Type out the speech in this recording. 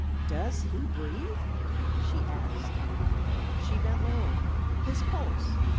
"Does he breathe?" she asked. She bent lower. "His pulse!